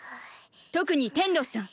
特に天童さん。